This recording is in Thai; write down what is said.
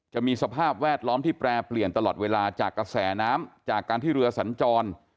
สภาพแวดล้อมที่แปรเปลี่ยนตลอดเวลาจากกระแสน้ำจากการที่เรือสัญจร